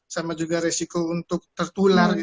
sama juga resiko untuk tertular